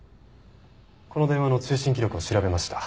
この電話の通信記録を調べました。